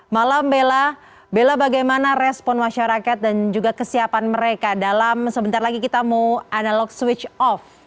malam bella bella bagaimana respon masyarakat dan juga kesiapan mereka dalam sebentar lagi kita mau analog switch off